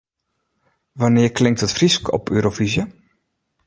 Wannear klinkt it Frysk op Eurofyzje?